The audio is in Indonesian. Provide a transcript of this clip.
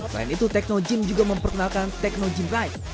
selain itu tekno gym juga memperkenalkan tekno gym ride